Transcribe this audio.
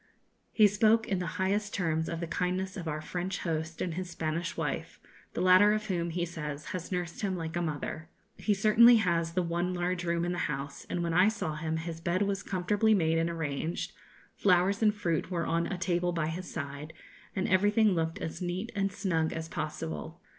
He spoke in the highest terms of the kindness of our French host and his Spanish wife, the latter of whom, he says, has nursed him like a mother. He certainly has the one large room in the house, and when I saw him his bed was comfortably made and arranged, flowers and fruit were on a table by his side, and everything looked as neat and snug as possible.